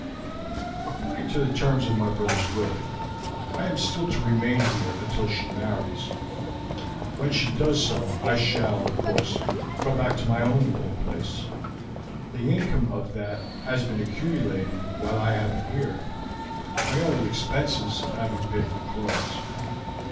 "According to the terms of my brother's will, I am still to remain here until she marries; when she does so I shall, of course, go back to my own little place; the income of that has been accumulating while I have been here, my only expenses having been for clothes.